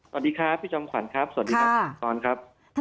สวัสดีครับพี่จอมขวัญครับสวัสดีครับคุณปอนครับ